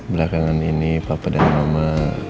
belakangan ini papa dari mama